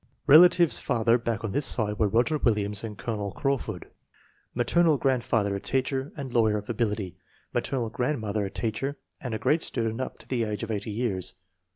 Relatives farther back on this side were Roger Williams and Colonel Crawford. Maternal grandfather a teacher and lawyer of abil ity; maternal grandmother a teacher and "a great student up to the age of eighty years."